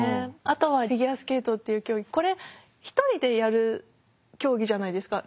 あとはフィギュアスケートっていう競技これ１人でやる競技じゃないですか。